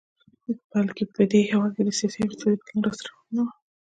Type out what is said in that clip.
بلکې په دې هېواد کې د سیاسي او اقتصادي بدلون لاسته راوړنه وه.